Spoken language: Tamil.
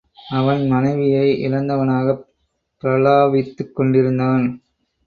அவன் மனைவியை இழந்தவனாகப் பிரலாபித்துக் கொண்டிருந்தான்.